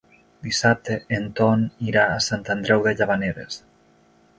Dissabte en Ton irà a Sant Andreu de Llavaneres.